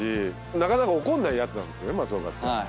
なかなか怒んないやつなんです松岡って。